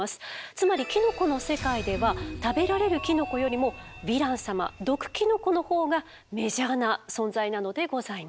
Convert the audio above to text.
つまりキノコの世界では食べられるキノコよりもヴィラン様毒キノコのほうがメジャーな存在なのでございます。